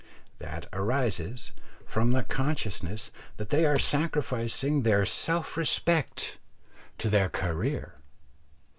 That arises from the consciousness that they are sacrificing their self respect to their "career."